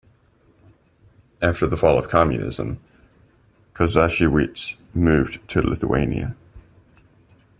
After the fall of Communism, Kozakiewicz moved to Lithuania.